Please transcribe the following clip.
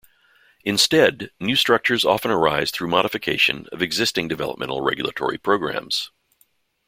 Instead, new structures often arise through modification of existing developmental regulatory programs.